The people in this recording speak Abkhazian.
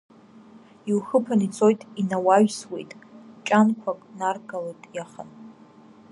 Иухыԥан ицоит, инауаҩсуеит, ҷанқәак наргалоит иахан.